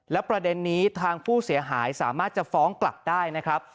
และประเด็นนี้ทางผู้เสียหายสามารถจะฟ้องกลับได้นะครับ